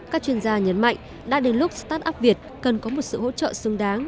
các chuyên gia nhấn mạnh đã đến lúc start up việt cần có một sự hỗ trợ xứng đáng